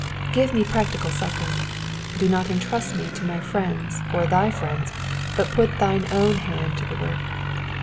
^^ Give me practical succour. Do not entrust me to my friends or thy friends, but put thine own hand to the work.